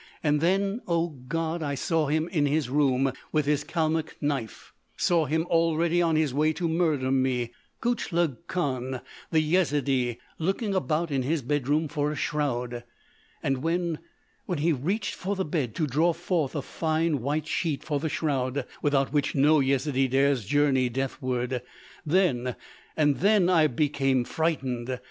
And then, O God! I saw him in his room with his Kalmuck knife—saw him already on his way to murder me—Gutchlug Khan, the Yezidee—looking about in his bedroom for a shroud.... And when—when he reached for the bed to draw forth a fine, white sheet for the shroud without which no Yezidee dares journey deathward—then—then I became frightened....